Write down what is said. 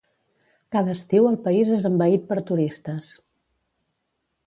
Cada estiu el país és envaït per turistes.